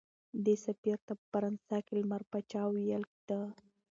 دې سفیر ته په فرانسه کې لمر پاچا ویل کېده.